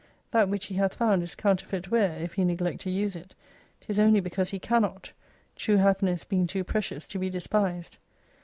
That which he hath found , is counter feit ware, if he neglect to use it : 'tis only because he cannot ; true happiness being too precious to be despised.